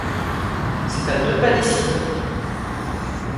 C’est à deux pas d’ici !